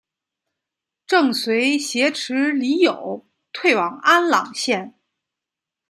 郑绥挟持黎槱退往安朗县。